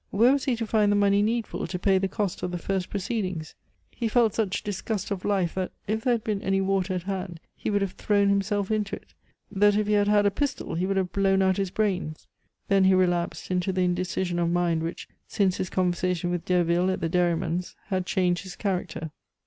where was he to find the money needful to pay the cost of the first proceedings? He felt such disgust of life, that if there had been any water at hand he would have thrown himself into it; that if he had had a pistol, he would have blown out his brains. Then he relapsed into the indecision of mind which, since his conversation with Derville at the dairyman's had changed his character.